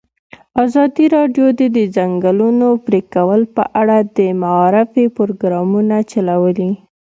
ازادي راډیو د د ځنګلونو پرېکول په اړه د معارفې پروګرامونه چلولي.